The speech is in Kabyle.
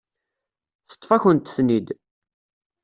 Teṭṭef-akent-ten-id.